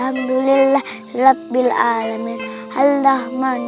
c cucumber kemudian kita buat sambal cumber peluang